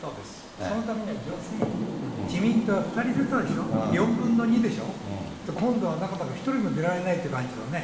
そのためには女性、自民党は２人出たでしょ、４分の２でしょ。今度は１人も出られないという感じのね。